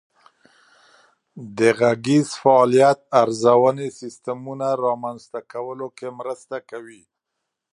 د غږیز فعالیت ارزونې سیسټمونه رامنځته کولو کې مرسته کوي.